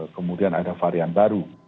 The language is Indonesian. kemudian ada varian baru